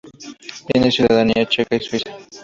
Tiene ciudadanía checa y suiza.